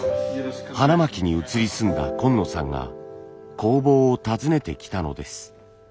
花巻に移り住んだ今野さんが工房を訪ねてきたのです。